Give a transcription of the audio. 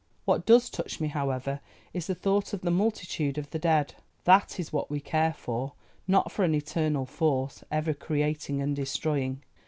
What does touch me, however, is the thought of the multitude of the Dead. That is what we care for, not for an Eternal Force, ever creating and destroying.